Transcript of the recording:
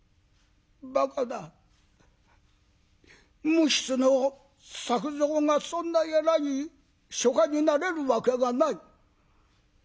「ばかな無筆の作蔵がそんな偉い書家になれるわけがない」。